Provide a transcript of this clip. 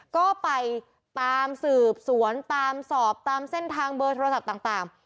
ก็ไปตามสืบสวนตามสอบตามเส้นทางเบอร์โทรศัพท์ต่าง